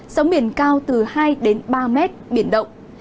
sóng biển cao từ hai đến ba mét biển động